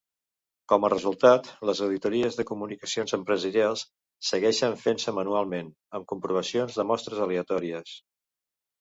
Com a resultat, les auditories de comunicacions empresarials segueixen fent-se manualment, amb comprovacions de mostres aleatòries.